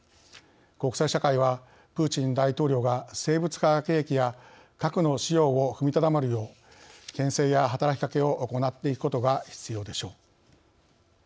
国際社会は、プーチン大統領が生物化学兵器や核の使用を踏みとどまるようけん制や働きかけを行っていくことが必要でしょう。